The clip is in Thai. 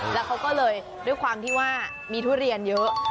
แล้วเขาก็เลยด้วยความที่ว่ามีทุเรียนเยอะ